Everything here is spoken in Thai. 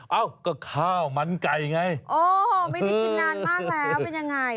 ไม่นี่กินนานมากแล้วเป็นยังไง